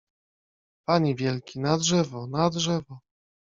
— Panie wielki, na drzewo! na drzewo!